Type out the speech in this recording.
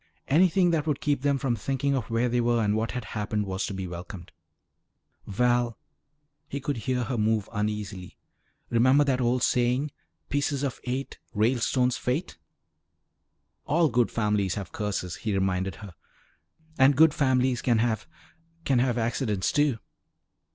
Anything that would keep them from thinking of where they were and what had happened was to be welcomed. "Val" he could hear her move uneasily "remember that old saying: 'Pieces of eight Ralestones' fate?" "All good families have curses," he reminded her. "And good families can have can have accidents, too."